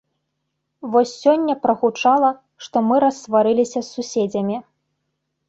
Вось сёння прагучала, што мы рассварыліся з суседзямі.